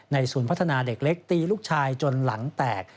ศูนย์พัฒนาเด็กเล็กตีลูกชายจนหลังแตก